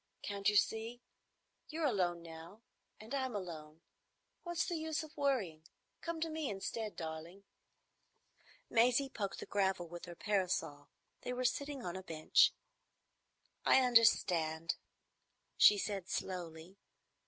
Can't you see? You're alone now and I'm alone. What's the use of worrying? Come to me instead, darling." Maisie poked the gravel with her parasol. They were sitting on a bench. "I understand," she said slowly.